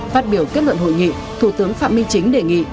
phát biểu kết luận hội nghị thủ tướng phạm minh chính đề nghị